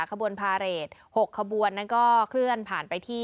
ขบวนพาเรท๖ขบวนนั้นก็เคลื่อนผ่านไปที่